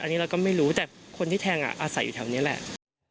อันนี้เราก็ไม่รู้แต่คนที่แทงอาศัยอยู่แถวนี้แหละ